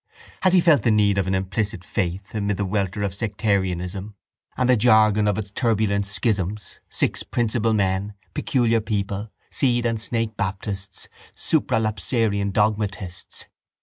Had he felt the need of an implicit faith amid the welter of sectarianism and the jargon of its turbulent schisms, six principle men, peculiar people, seed and snake baptists, supralapsarian dogmatists?